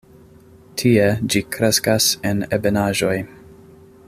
Tie ĝi kreskas en ebenaĵoj.